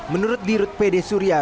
menurut dirut pd suria